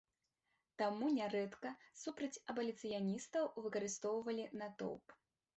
Таму нярэдка супраць абаліцыяністаў выкарыстоўвалі натоўп.